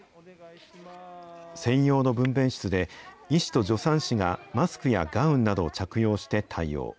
専用の分べん室で、医師と助産師がマスクやガウンなどを着用して対応。